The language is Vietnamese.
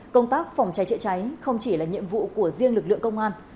công tác phòng cháy chữa cháy không chỉ là nhiệm vụ của riêng lực lượng công an